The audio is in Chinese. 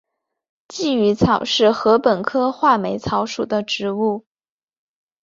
鲫鱼草是禾本科画眉草属的植物。